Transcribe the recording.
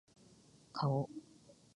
顔